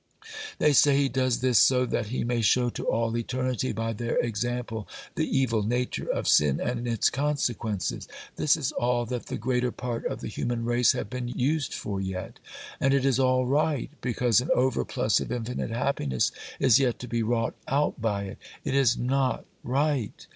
They say He does this so that He may show to all eternity, by their example, the evil nature of sin and its consequences! This is all that the greater part of the human race have been used for yet; and it is all right, because an overplus of infinite happiness is yet to be wrought out by it! It is not right!